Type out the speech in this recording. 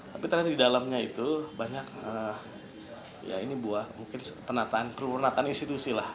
tapi ternyata di dalamnya itu banyak ya ini buah mungkin penataan perurunatan institusi lah